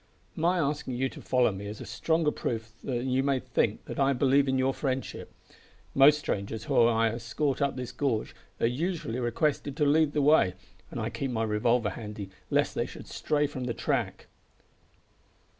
My asking you to follow me is a stronger proof than you may think that I believe in your friendship. Most strangers whom I escort up this gorge are usually requested to lead the way, and I keep my revolver handy lest they should stray from the track!"